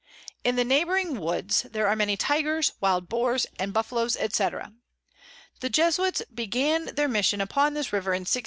In the neighbouring Woods there are many Tygers, wild Boars, and Buffaloes, &c. The Jesuits began their Mission upon this River in 1638.